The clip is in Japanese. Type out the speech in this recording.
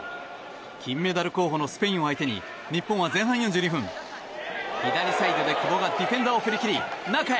金メダル候補のスペインを相手に日本は前半４２分左サイドで久保がディフェンダーを振り切り中へ！